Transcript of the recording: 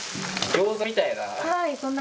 餃子みたいな。